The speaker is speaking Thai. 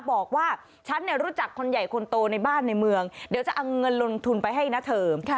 บอกว่าฉันรู้จักคนใหญ่คนโตในบ้านในเมืองเดี๋ยวจะเอาเงินลงทุนไปให้นะเทอม